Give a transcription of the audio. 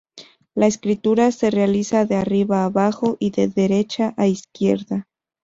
La escritura se realiza de arriba a abajo y de derecha a izquierda.